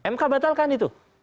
mk batalkan itu